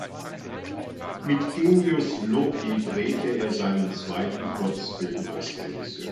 Mit Genius Loci drehte er seinen zweiten Kurzfilm als Regisseur.